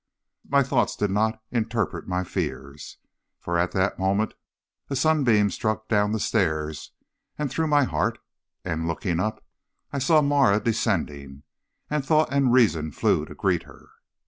My thoughts did not interpret my fears, for at that moment a sunbeam struck down the stairs and through my heart, and, looking up, I saw Marah descending, and thought and reason flew to greet her.